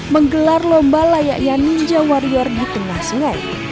menggelar lomba layaknya ninja warrior di tengah sungai